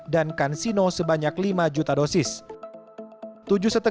dan kansino sebanyak lima juta dosis